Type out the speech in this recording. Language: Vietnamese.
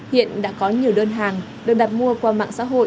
hiện đã có nhiều đơn hàng được đặt mua qua mạng xã hội